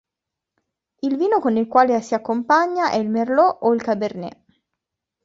Il vino con il quale si accompagna è il Merlot o il Cabernet.